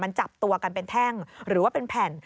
มันจับตัวกันเป็นแท่งหรือว่าเป็นแผ่น